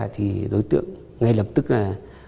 thì đối tượng ngay lập tức là